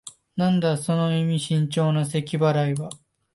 なんだ、その意味深長なせき払いは。